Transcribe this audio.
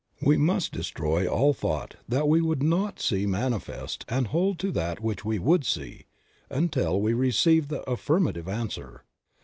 We must destroy all thought that we would not see manifest and hold to that which we would see, until we receive the affirmative answer.